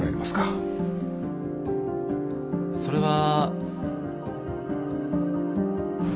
それは。